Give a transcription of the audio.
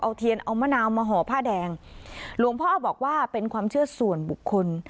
เอาเทียนเอามะนาวมาห่อผ้าแดงหลวงพ่อบอกว่าเป็นความเชื่อส่วนบุคคล